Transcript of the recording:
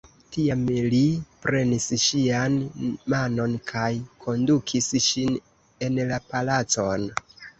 Tiam li prenis ŝian manon kaj kondukis ŝin en la palacon.